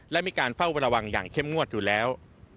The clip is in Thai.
และมีการเฝ้าระวังอย่างเข้มงวดอยู่แล้ว